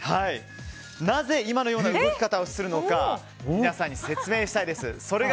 なぜ今のような動き方をするのか皆さんに説明したいです。